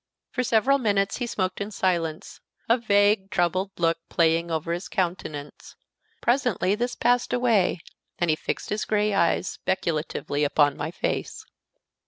For several minutes he smoked in silence, a vague, troubled look playing over his countenance. Presently this passed away, and he fixed his gray eyes speculatively upon my face.